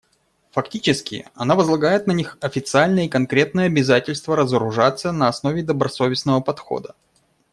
Фактически, она возлагает на них официальное и конкретное обязательство разоружаться на основе добросовестного подхода.